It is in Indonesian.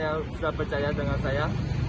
saya sudah percaya dengan saya